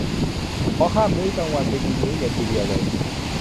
ขอข้ามมื้อกลางวันไปกินมื้อเย็นทีเดียวเลย